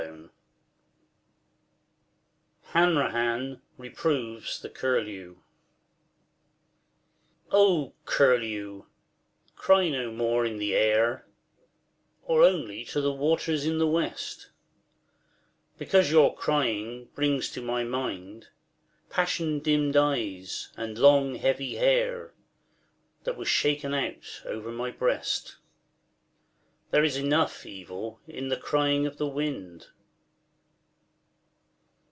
2^ HANRAHAN REPROVES THE CURLEW O, CURLEW, cry no more in the air, Or only to the waters in the West; Because your crying brings to my mind Passion dimmed eyes and long heavy hair That was shaken out over my breast: There is enough evil in the crying of wind.